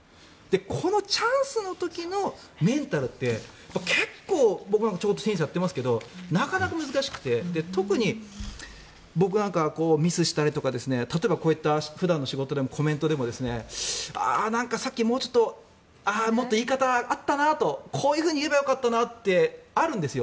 このチャンスの時のメンタルって結構、僕なんかテニスをやってますけどなかなか難しくて特に僕なんかミスしたり例えばこういった普段の仕事でもコメントでも、ああ、さっきもうちょっと言い方あったなとこういうふうに言えばよかったなってあるんですよ。